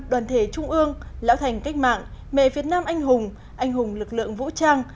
đoàn thể trung ương lão thành cách mạng mẹ việt nam anh hùng anh hùng lực lượng vũ trang